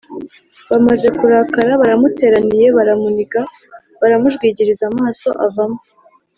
Bamaze kurakara baramuteraniye baramuniga baramujwigiriza amaso avamo